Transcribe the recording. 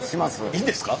いいんですか？